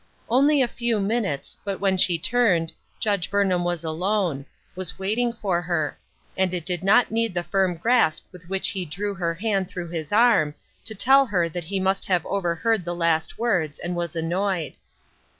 Only a few minutes, but when she turned, Judge Burnham was alone ; was waiting for her ; and it did not need the firm grasp with which he drew her hand through his arm, to tell her that he must have overheard the last words, and was annoyed.